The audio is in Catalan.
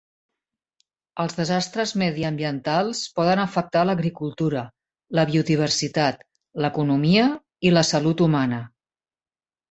Els desastres mediambientals poden afectar l'agricultura, la biodiversitat, l'economia i la salut humana.